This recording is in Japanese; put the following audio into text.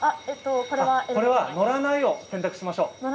これは乗らないを選択しましょう。